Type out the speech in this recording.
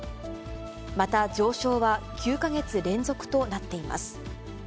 また、上昇は９か月連続となっています。